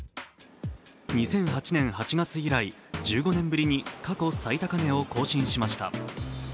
２００８年８月以来１５年ぶりに過去最高値を更新しました。